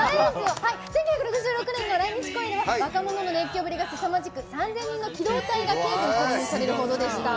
１９６６年の来日公演では若者の熱狂ぶりがすさまじく３，０００人の機動隊が警備に投入されるほどでした。